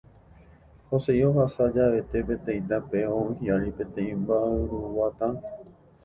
Jose'i ohasa javete peteĩ tape ou hi'ári peteĩ mba'yruguata.